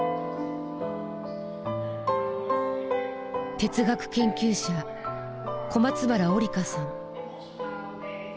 哲学研究者小松原織香さん。